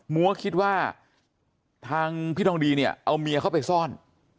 มัวคิดว่าทางพี่ทองดีเนี่ยเอาเมียเข้าไปซ่อน